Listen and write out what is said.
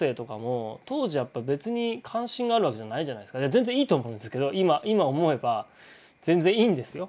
全然いいと思うんですけど今思えば全然いいんですよ